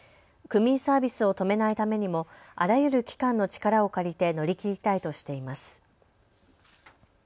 区民サービスを止めないためにもあらゆる機関の力を借りて乗り切りたいとしています。